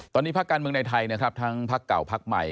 ตอนนี้ภาคการเมืองในไทยนะครับทั้งพักเก่าพักใหม่